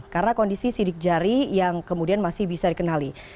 karena kondisi sidik jari yang kemudian masih bisa dikenali